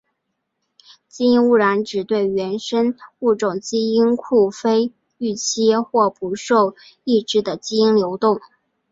基因污染指对原生物种基因库非预期或不受控制的基因流动。